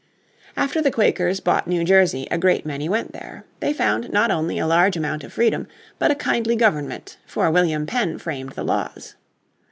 After the Quakers bought New Jersey a great many went there. They found not only a large amount of freedom, but a kindly government, for William Penn framed the laws.